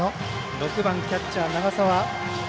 ６番キャッチャーの長澤。